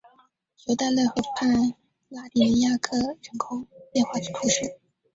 龙代勒河畔拉迪尼亚克人口变化图示